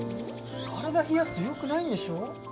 体冷やすとよくないんでしょ？